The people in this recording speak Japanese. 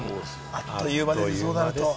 あっという間、そうなると。